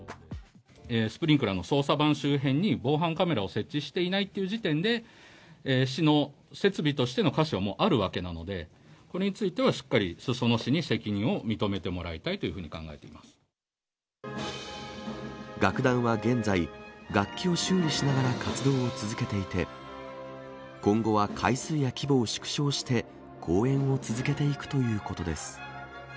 スプリンクラーの操作盤周辺に、防犯カメラを設置していないという時点で、市の設備としてのかしはもうあるわけなので、これについてはしっかり裾野市に責任を認めてもらいたいというふ楽団は現在、楽器を修理しながら活動を続けていて、今後は回数や規模を縮小して公演を続けていくということです。